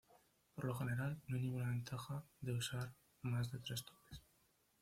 Por lo general, no hay ninguna ventaja de usar más de tres topes.